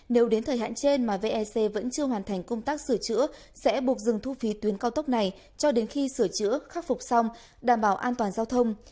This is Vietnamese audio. nếu đến thời hạn trên mà vec vẫn chưa hoàn thành công tác sửa chữa sẽ buộc dừng thu phí tuyến cao tốc này cho đến khi sửa chữa khắc phục xong đảm bảo an toàn giao thông